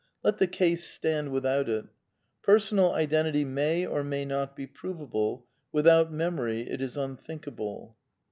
Let the case stand without it. Personal identity may or may not be provable ; without memory it is unthink able.